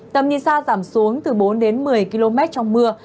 tầm nhìn xa giảm xuống từ bốn đến một mươi km trong mưa